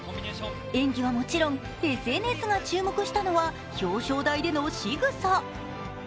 演技はもちろんＳＮＳが注目したのは表彰台でのしぐさ。